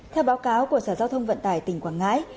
theo báo cáo của sở giao thông vận tải tỉnh quảng ngãi